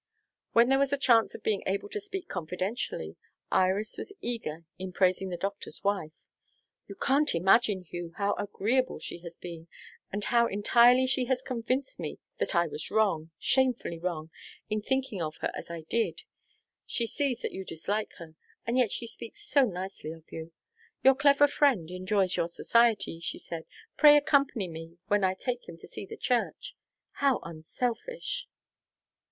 When there was a chance of being able to speak confidentially, Iris was eager in praising the doctor's wife. "You can't imagine, Hugh, how agreeable she has been, and how entirely she has convinced me that I was wrong, shamefully wrong, in thinking of her as I did. She sees that you dislike her, and yet she speaks so nicely of you. 'Your clever friend enjoys your society,' she said; 'pray accompany me when I take him to see the church.' How unselfish!"